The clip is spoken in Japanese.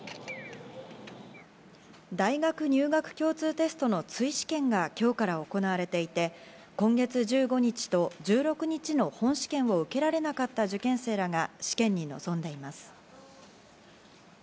大学入学共通テストの追試験が今日から行われていて、今月１５日と１６日の本試験を受けられなかった受験生らが試験に臨んでいます。